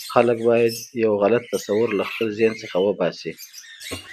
خلک باید یو غلط تصور له خپل ذهن څخه وباسي.